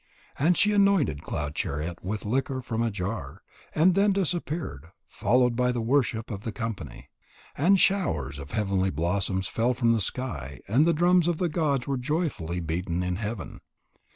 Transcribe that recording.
And she anointed Cloud chariot with liquor from the jar, and then disappeared, followed by the worship of the company. And showers of heavenly blossoms fell from the sky, and the drums of the gods were joyfully beaten in heaven.